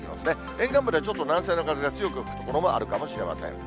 沿岸部ではちょっと南西の風が強く吹く所もあるかもしれません。